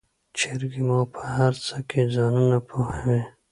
چرګې مو په هرڅه کې ځانونه پوهوي.